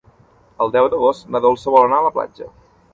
El deu d'agost na Dolça vol anar a la platja.